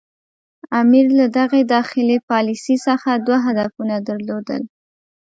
امیر له دغې داخلي پالیسي څخه دوه هدفونه درلودل.